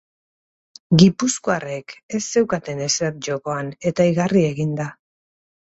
Gipuzkoarrek ez zeukaten ezer jokoan eta igarri egin da.